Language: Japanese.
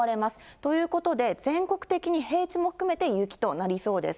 ということで、全国的に平地も含めて雪となりそうです。